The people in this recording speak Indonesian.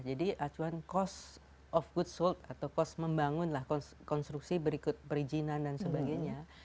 jadi acuan cost of goods sold atau cost membangun lah konstruksi berikut perizinan dan sebagainya